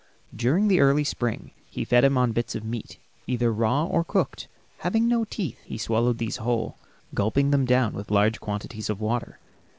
During the early spring he fed him on bits of meat, either raw or cooked. Having no teeth, he swallowed these whole, gulping them down with large quantities of water.